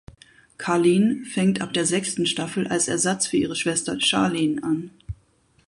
Carlene fängt ab der sechsten Staffel als Ersatz für ihre Schwester Charlene an.